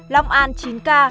long an chín ca